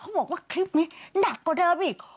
บอกว่าคลิปนี้หนักกว่าเดิมอีก